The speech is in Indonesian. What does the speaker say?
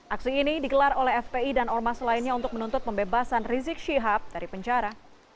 aksi ini digelar oleh fpi dan ormas lainnya untuk menuntut pembebasan rizik syihab dari penjara